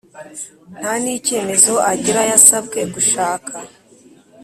Nta n icyemezo agira yasabwe gushaka